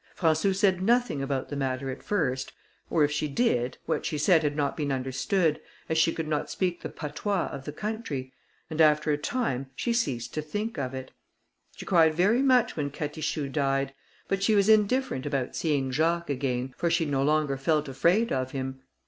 Françou said nothing about the matter at first, or if she did, what she said had not been understood, as she could not speak the patois of the country, and after a time she ceased to think of it. She cried very much when Catichou died; but she was indifferent about seeing Jacques again, for she no longer felt afraid of him.